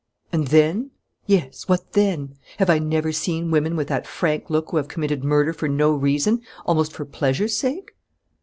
And then? Yes, what then? Have I never seen women with that frank look who have committed murder for no reason, almost for pleasure's sake?"